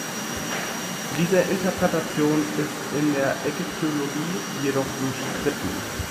Diese Interpretation ist in der Ägyptologie jedoch umstritten.